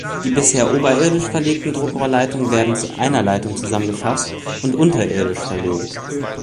Die bisher oberirdisch verlegten Druckrohrleitungen werden zu einer Leitung zusammengefasst und unterirdisch verlegt.